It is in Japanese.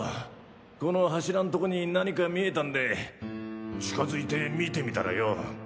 この柱んとこに何か見えたんで近付いて見てみたらよ。